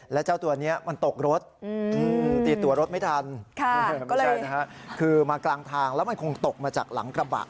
แล้วเจ้าตัวนี้มันตกรถตีตัวรถไม่ทันคือมากลางทางแล้วมันคงตกมาจากหลังกระบะ